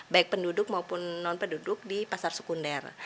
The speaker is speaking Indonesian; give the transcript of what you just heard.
baik penduduk maupun non penduduk di pasar sekunder